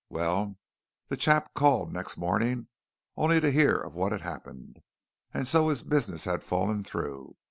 Well, the chap called next morning, only to hear of what had happened, and so his business had fallen through.